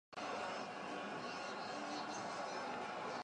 We may assume that the sacrifice was offered on St. George's Day.